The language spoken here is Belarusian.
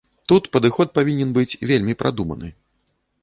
Тут падыход павінен быць вельмі прадуманы.